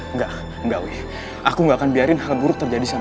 enggak enggak wih aku nggak akan biarin hal buruk terjadi sama